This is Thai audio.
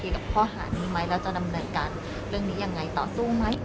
กับข้อหานี้ไหมแล้วจะดำเนินการเรื่องนี้ยังไงต่อสู้ไหม